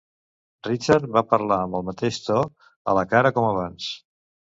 Richard va parlar amb el mateix to a la cara com abans.